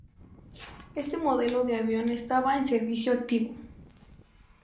Este modelo de avión estaba en servicio activo.